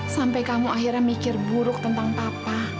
sampai kamu akhirnya mikir buruk tentang papa